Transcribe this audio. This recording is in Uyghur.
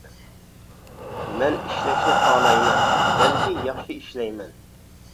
مەن ئىشلەشنى خالايمەن، بەلكى ياخشى ئىشلەيمەن.